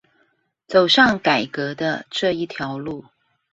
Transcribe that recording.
走上改革的這一條路